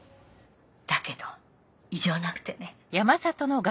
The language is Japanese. だけど異常なくてね。